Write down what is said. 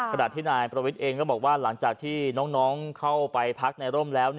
ขณะที่นายประวิทย์เองก็บอกว่าหลังจากที่น้องเข้าไปพักในร่มแล้ว